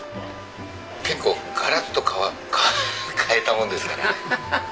結構ガラッと変えたもんですからね。